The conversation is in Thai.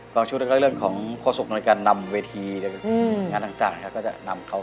กล้องชุดเรื่องของภาพสมพนตร์การนำเวทีและงานต่างนี่ก็จะนำเขา